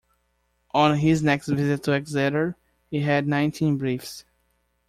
On his next visit to Exeter he had nineteen briefs.